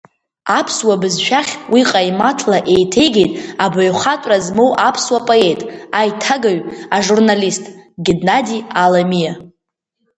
Аԥсуа бызшәахь уи ҟаимаҭла еиҭеигеит абаҩхатәра змоу аԥсуа поет, аиҭагаҩ, ажурналист Геннади Аламиа.